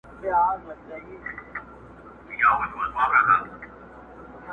• خدایه کله به یې واورم د بابا له مېني زېری -